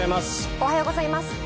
おはようございます。